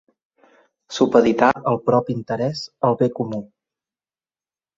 Supeditar el propi interès al bé comú.